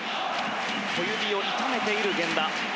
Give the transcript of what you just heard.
小指を痛めている源田。